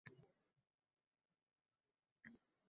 Yangi galereyada akademiklar ijodi namoyish etilmoqda